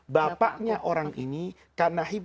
bapaknya orang ini